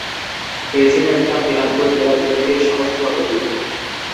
রেজিনা ইসলাম দিনাজপুর জেলা বিএনপির সহসভাপতি।